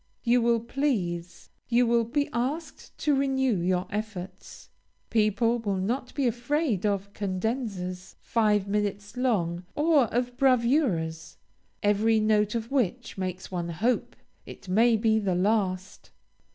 You will please you will be asked to renew your efforts. People will not be afraid of cadenzas five minutes long, or of bravuras, every note of which makes one hope it may be the last.